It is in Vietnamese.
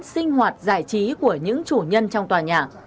sinh hoạt giải trí của những chủ nhân trong tòa nhà